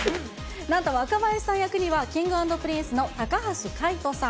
なんと若林さん役には、Ｋｉｎｇ＆Ｐｒｉｎｃｅの高橋海人さん。